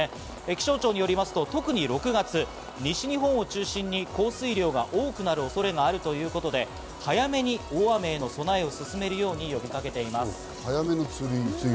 気象庁によりますと特に６月は西日本を中心に降水量が多くなる恐れがあるということで早めに大雨への備えを進めるよう呼びかけています。